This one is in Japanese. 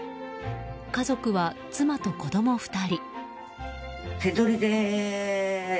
家族は妻と子供２人。